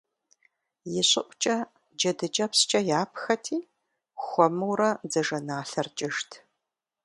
Ищӏыӏукӏэ джэдыкӏэпскӏэ япхэти, хуэмурэ дзажэналъэр кӏыжт.